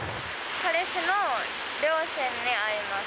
彼氏の両親に会います。